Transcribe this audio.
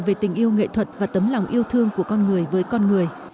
về tình yêu nghệ thuật và tấm lòng yêu thương của con người với con người